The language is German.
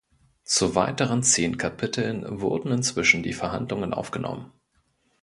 Zu weiteren zehn Kapiteln wurden inzwischen die Verhandlungen aufgenommen.